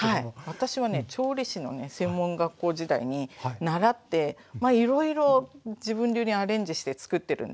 私はね調理師の専門学校時代に習ってまあいろいろ自分流にアレンジしてつくってるんですけど。